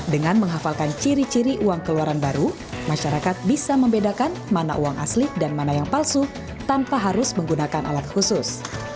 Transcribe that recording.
dengan menghafalkan ciri ciri uang keluaran baru masyarakat bisa membedakan mana uang asli dan mana yang palsu tanpa harus menggunakan alat khusus